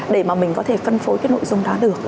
để mà mình có thể phân phối cái nội dung đó được